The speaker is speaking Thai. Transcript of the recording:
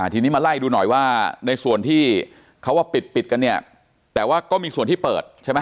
ทีนี้มาไล่ดูหน่อยว่าในส่วนที่เขาว่าปิดปิดกันเนี่ยแต่ว่าก็มีส่วนที่เปิดใช่ไหม